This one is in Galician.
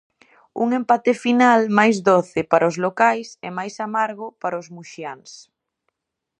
Un empate final máis doce para os locais e máis amargo para os muxiáns.